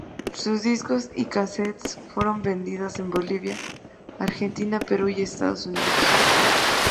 Sus discos y casetes fueron vendidos en Bolivia, Argentina, Perú y Estados Unidos.